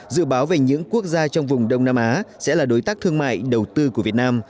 dự báo về những quốc gia trong vùng đông nam á sẽ là đối tác thương mại đầu tư của việt nam